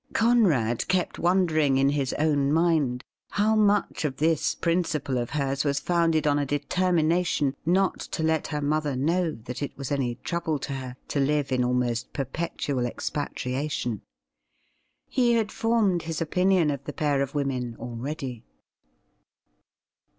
Conrad kept wondering in his own mind how much of this principle of hers was founded on a determination not to let her mother know that it was any trouble to her to live in almost perpetual expatriation. He had formed his opinion of the pair of women already.